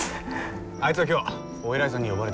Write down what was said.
あいつは今日お偉いさんに呼ばれてる。